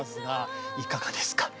いかがですか？